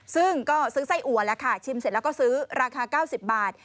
ซึ่งก็ซื้อไส้อัวแล้วค่ะชิมเสร็จแล้วก็ซื้อราคา๙๐บาท